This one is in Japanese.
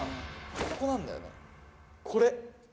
ここなんだよこれ。